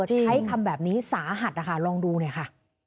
ใช้คำแบบนี้สาหัสนะคะลองดูหน่อยค่ะ